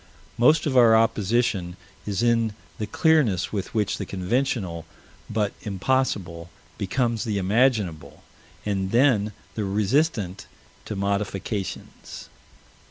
Most of our opposition is in the clearness with which the conventional, but impossible, becomes the imaginable, and then the resistant to modifications.